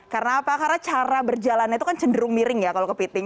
karena apa karena cara berjalan itu kan cenderung miring ya kalau kepiting